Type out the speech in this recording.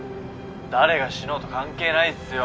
誰が死のうと関係ないっすよ。